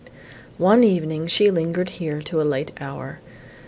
One evening, she lingered here to a late hour.